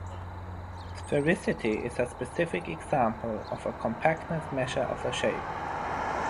Sphericity is a specific example of a compactness measure of a shape.